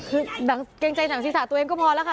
คือเกรงใจหนังศีรษะตัวเองก็พอแล้วค่ะ